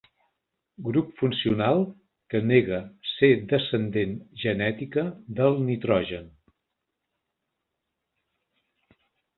Grup funcional que nega ser descendent genètica del nitrogen.